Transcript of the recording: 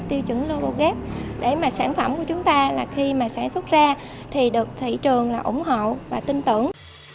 tiêu chuẩn logogate để mà sản phẩm của chúng ta là khi mà sản xuất ra thì được thị trường là ủng hộ và tin tưởng